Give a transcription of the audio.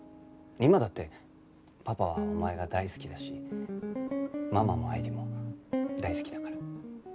今だってパパはお前が大好きだしママも愛理も大好きだから。